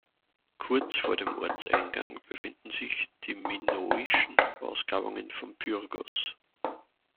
Kurz vor dem Ortseingang befinden sich die minoischen Ausgrabungen von Pyrgos.